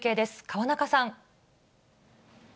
河中さん。